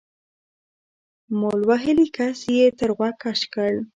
مول وهلي کس يې تر غوږ کش کړ.